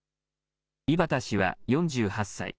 井端氏は４８歳。